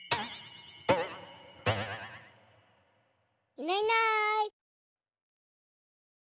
いないいない。